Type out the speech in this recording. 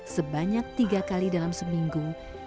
sebanyak tiga kali dalam seminggu